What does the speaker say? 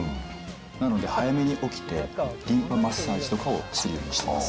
なので早めに起きて、リンパマッサージとかをするようにしてます。